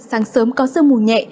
sáng sớm có sương mù nhẹ